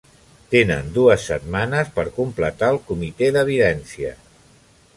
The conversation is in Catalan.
Tenen dues setmanes per completar el Comitè d'Evidència.